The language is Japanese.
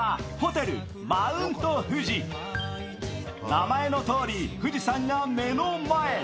名前のとおり、富士山が目の前。